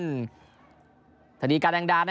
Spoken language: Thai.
ทีมไทยบ้างครับทีมไทยบ้างครับทิ้งบอล